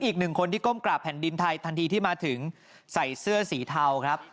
อีกหนึ่งคนที่ก้มกราบแผ่นดินไทยทันทีที่มาถึงใส่เสื้อสีเทาครับ